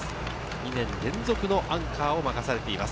２年連続アンカーを任されています。